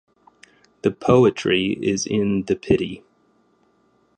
The Poetry is in the pity.